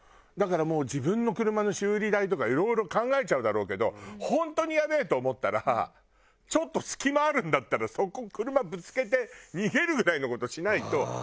だからもう自分の車の修理代とかいろいろ考えちゃうだろうけど本当にやべえと思ったらちょっと隙間あるんだったらそこ車ぶつけて逃げるぐらいの事しないと。